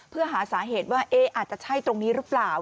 เพื่อหาสาเหตุว่าอาจจะใช่ตรงนี้หรือเปล่า